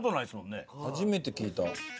初めて聞いた。